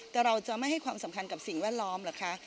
แต่เราจะไม่ให้ความสำคัญกับสิ่งแวดล้อมเหรอคะ